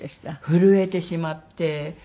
震えてしまって。